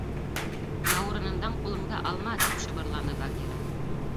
— Яурынымдан ҡулыңды алма, — тип шыбырланы Багира.